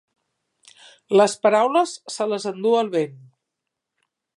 Les paraules se les enduu el vent.